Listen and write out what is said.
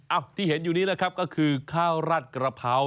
ที่เห็นอยู่นี้นะครับก็คือข้าวราดกระเพรา